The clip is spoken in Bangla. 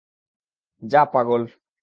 যা, পাগল।